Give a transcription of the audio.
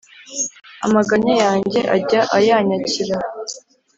Amaganya yanjye ajya ayanyakira